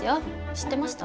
知ってました？